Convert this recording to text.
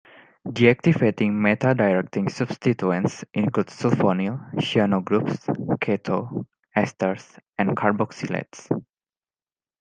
Deactivating meta-directing substituents include sulfonyl, cyano groups, keto, esters, and carboxylates.